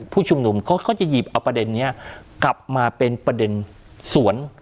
ผู้ชุมนุมเขาก็จะหยิบเอาประเด็นนี้กลับมาเป็นประเด็นสวน